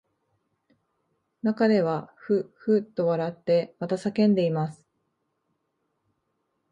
中ではふっふっと笑ってまた叫んでいます